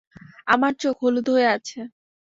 আমার চোখ হলুদ হয়ে আছে।